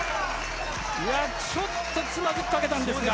ちょっとつまずきかけたんですが。